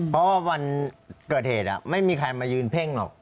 เพราะว่าวันเกิดเหตุไม่มีใครมายืนเพ่งหรอก